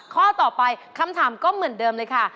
ข้อต่อไปคำถามก็เหมือนเดิมเลยค่ะ